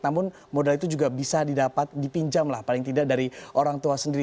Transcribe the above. namun modal itu juga bisa didapat dipinjam lah paling tidak dari orang tua sendiri